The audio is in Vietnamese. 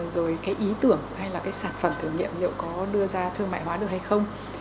rồi cái ý tưởng hay là cái sản phẩm thử nghiệm liệu có đưa ra thương mại hóa được hay không